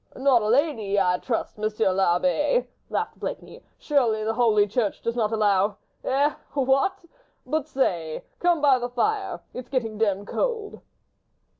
"Not a lady—I trust, Monsieur l'Abbé," laughed Blakeney; "surely the holy Church does not allow? ... eh? ... what! But, I say, come by the fire ... it's getting demmed cold."